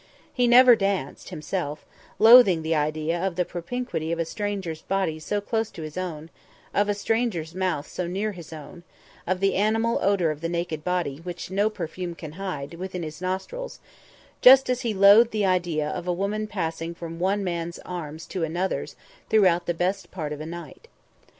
He had never danced, himself, loathing the idea of the propinquity of a stranger's body so close to his own; of a stranger's mouth so near his own; of the animal odour of the naked body, which no perfume can hide, within his nostrils; just as he loathed the idea of a woman passing from one man's arms to another's throughout the best part of a night.